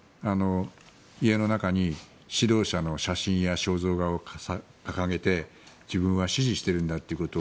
家の中に指導者の写真や肖像画を掲げて自分は支持しているんだということを